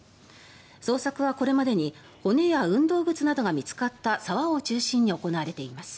捜索はこれまでに骨や運動靴などが見つかった沢を中心に行われています。